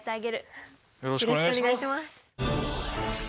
よろしくお願いします。